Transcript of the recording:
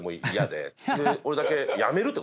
で俺だけ」